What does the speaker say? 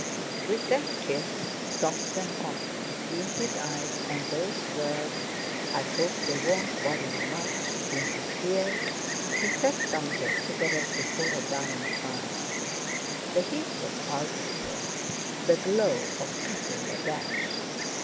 With that kiss, soft and hot, between his eyes, and those words, "I hope they won't worry you much," in his ears, he sat down to a cigarette, before a dying fire. The heat was out of him—the glow of cutting a dash.